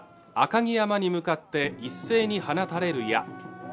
赤城山に向かって一斉に放たれる矢